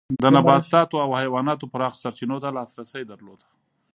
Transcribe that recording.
د نباتاتو او حیواناتو پراخو سرچینو ته لاسرسی درلود.